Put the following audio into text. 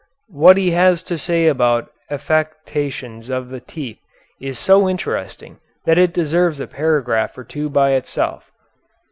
What he has to say about affections of the teeth is so interesting that it deserves a paragraph or two by itself.